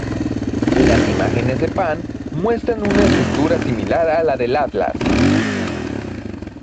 Las imágenes de Pan muestran una estructura similar a la de Atlas.